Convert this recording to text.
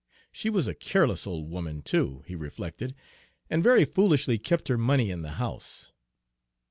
She was a careless old woman, too, he reflected, and very foolishly kept her money in the house.